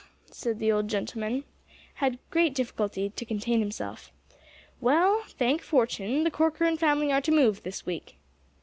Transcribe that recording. and the old gentleman had great difficulty to contain himself. "Well, thank fortune, the Corcoran family are to move this week."